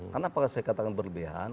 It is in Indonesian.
kenapa saya katakan berlebihan